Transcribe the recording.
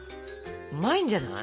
うまいんじゃない？